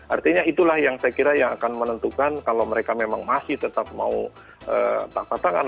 artinya itulah yang saya kira yang akan menentukan kalau mereka memang masih tetap mau tak patah tangan